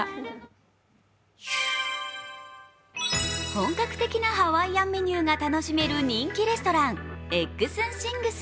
本格的なハワイアンメニューが楽しめる人気レストラン、Ｅｇｇｓ